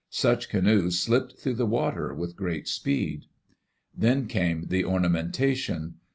Such canoes slipped through the water with great speed. Then came the ornamentation.